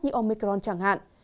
như omicron chẳng hạn